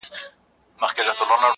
له توتکیو به وي تشې د سپرلي لمني!.